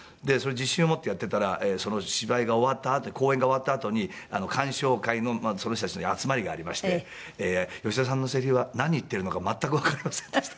自信を持ってやってたらその芝居が終わったあと公演が終わったあとに鑑賞会のその人たちの集まりがありまして「吉田さんのセリフは何言ってるのか全くわかりませんでした」。